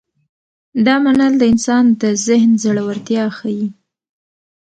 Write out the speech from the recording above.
دا منل د انسان د ذهن زړورتیا ښيي.